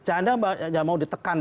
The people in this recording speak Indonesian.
anda nggak mau ditekan dengan